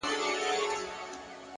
پرمختګ د تکرار نه ستړی کېدل دي